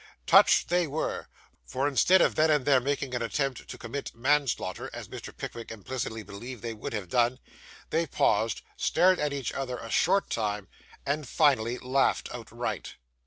Touched they were; for, instead of then and there making an attempt to commit man slaughter, as Mr. Pickwick implicitly believed they would have done, they paused, stared at each other a short time, and finally laughed outright.